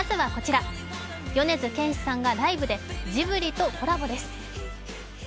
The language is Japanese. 米津玄師さんがライブでジブリとコラボです。